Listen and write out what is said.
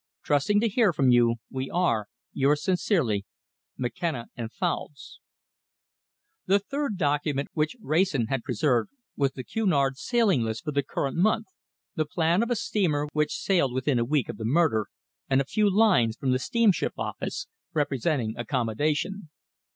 "Trusting to hear from you, "We are, yours sincerely, "McKENNA & FOULDS." The third document which Wrayson had preserved was the Cunard sailing list for the current month, the plan of a steamer which sailed within a week of the murder, and a few lines from the steamship office respecting accommodation.